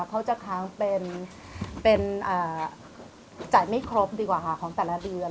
เขาจะค้างเป็นจ่ายไม่ครบดีกว่าค่ะของแต่ละเดือน